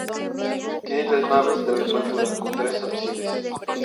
Tiene tres naves de la misma altura, con tres ábsides.